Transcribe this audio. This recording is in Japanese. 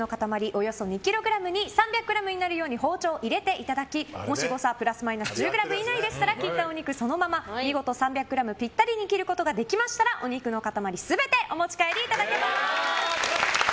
およそ２ｋｇに３００ｇになるように包丁を入れていただきもし誤差プラスマイナス１０ｇ以内でしたら切ったお肉をそのまま見事３００ｇぴったりに切ることができましたらお肉の塊全てお持ち帰りいただけます。